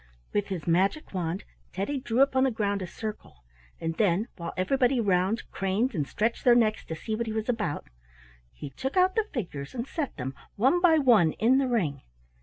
With his magic wand, Teddy drew upon the ground a circle, and then, while everybody round craned and stretched their necks to see what he was about, he took out the figures and set them, one by one, in the ring.